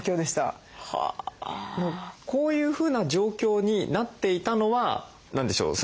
こういうふうな状況になっていたのは何でしょう？